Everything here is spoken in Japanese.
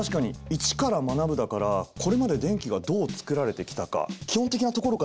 「イチから学ぶ」だからこれまで電気がどう作られてきたか基本的なところから押さえていこう。